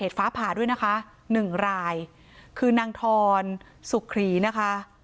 ฟ้าผ่าด้วยนะคะหนึ่งรายคือนางทรสุขรีนะคะ